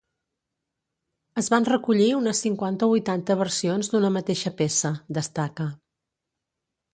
“Es van recollir unes cinquanta o vuitanta versions d’una mateixa peça”, destaca.